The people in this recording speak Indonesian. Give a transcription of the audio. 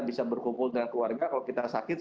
bisa berkumpul dengan keluarga kalau kita sakit